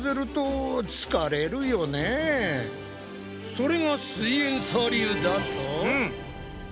それがすイエんサー流だと。